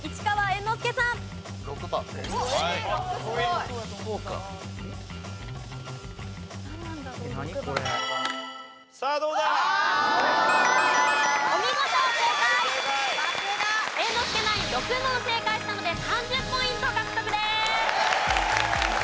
猿之助ナイン６問正解したので３０ポイント獲得です！